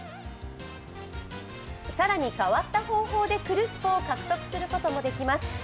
更に変わった方法で、クルッポを獲得することもできます。